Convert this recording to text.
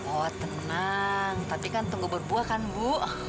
oh tenang tapi kan tunggu berbuah kan bu